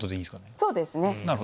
そうですね。